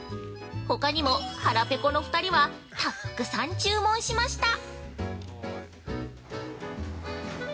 ほかにも、腹ぺこの２人はたっくさん注文しました！